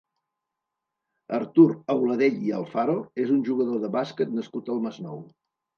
Artur Auladell i Alfaro és un jugador de bàsquet nascut al Masnou.